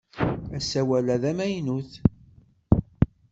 Asawal-a d amaynut!